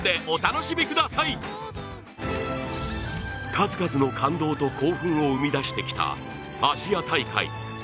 数々の感動と興奮を生み出してきたアジア大会。